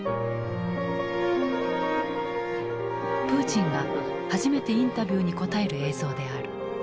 プーチンが初めてインタビューに答える映像である。